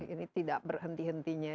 ini tidak berhenti hentinya